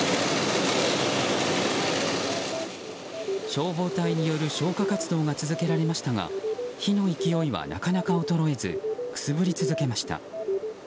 消防隊による消火活動が続けられましたが火の勢いはなかなか衰えずくすぶり続けました。